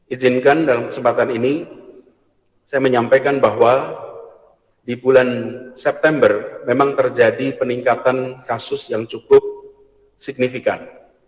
ijinkan dalam kesempatan ini saya menyampaikan bahwa di bulan september memang terjadi peningkatan kasus yang cukup signifikan